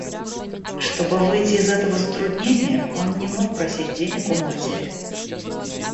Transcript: Чтобы выйти из этого затруднения, он не мог просить денег у матери.